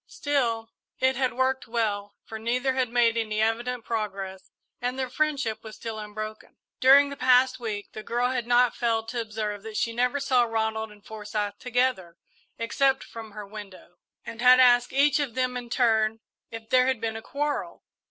Still, it had worked well, for neither had made any evident progress and their friendship was still unbroken. During the past week the girl had not failed to observe that she never saw Ronald and Forsyth together, except from her window, and had asked each of them in turn if there had been a quarrel.